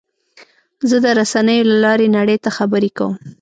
زه د رسنیو له لارې نړۍ ته خبرې کوم.